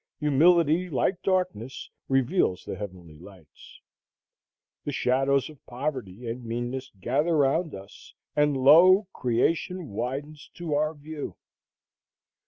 Humility like darkness reveals the heavenly lights. The shadows of poverty and meanness gather around us, "and lo! creation widens to our view."